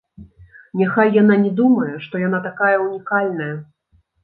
Няхай яна не думае, што яна такая ўнікальная.